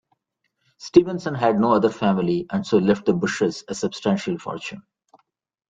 Stevenson had no other family and so left the Bushes a substantial fortune.